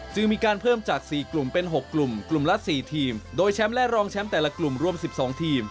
จึงมีการเพิ่มจาก๔กลุ่มเป็น๖กลุ่มกลุ่มละ๔ทีมโดยแชมป์และรองแชมป์แต่ละกลุ่มรวม๑๒ทีม